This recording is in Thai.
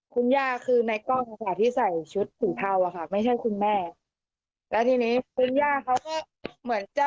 คุณย่าคือในกล้องค่ะที่ใส่ชุดสีเทาอะค่ะไม่ใช่คุณแม่แล้วทีนี้คุณย่าเขาก็เหมือนจะ